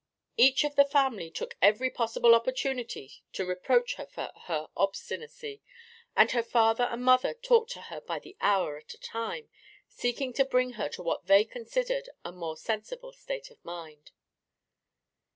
Each of the family took every possible opportunity to reproach her for her obstinacy, and her father and mother talked to her by the hour at a time, seeking to bring her to what they considered a more sensible state of mind.